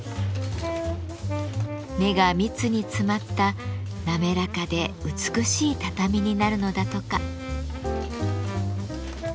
目が密に詰まった滑らかで美しい畳になるのだとか。